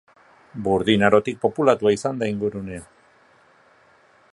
Burdin Arotik populatua izan da ingurunea.